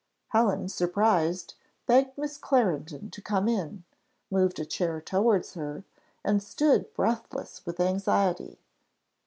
Helen, surprised, begged Miss Clarendon to come in, moved a chair towards her, and stood breathless with anxiety.